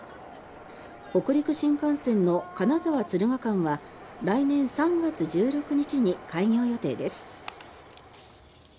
北陸新幹線の金沢敦賀間は来年３月１６日に開業予定です。